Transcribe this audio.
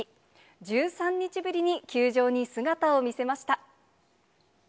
１３日ぶりに球場に姿を見せました。